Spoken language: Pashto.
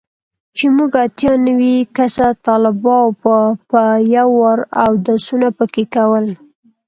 چې موږ اتيا نوي کسه طلباو به په يو وار اودسونه پکښې کول.